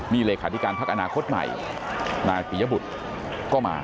มีรายความหละค่ะดิการพัฒลานาคตใหม่หน้ากิยบุตรก็มา